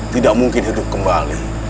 tidak mungkin hidup kembali